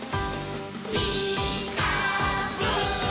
「ピーカーブ！」